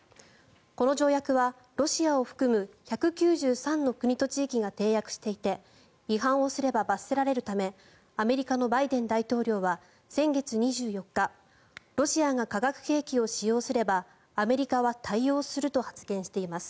この条約はロシアを含む１９３の国と地域が締約していて違反をすれば罰せられるためアメリカのバイデン大統領は先月２４日ロシアが化学兵器を使用すればアメリカは対応すると発言しています。